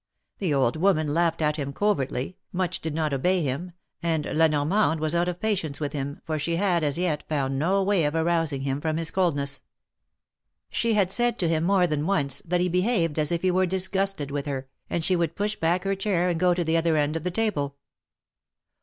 The old woman laughed at him covertly. Much did not obey him, and La Normande was out of patience with him, for she had, as yet, found no way of arousing him from his coldness. She had said to him more than once, that he behaved as if he were disgusted with her, and she would push back her chair, and go to the other end of the table.